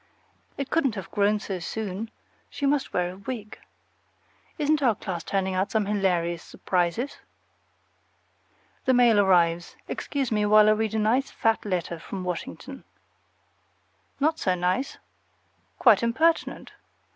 It couldn't have grown so soon; she must wear a wig. Isn't our class turning out some hilarious surprises? The mail arrives. Excuse me while I read a nice fat letter from Washington. Not so nice; quite impertinent.